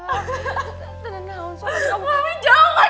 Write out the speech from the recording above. mami jangan kaki aku kenapa